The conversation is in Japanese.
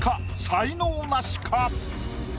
才能ナシか？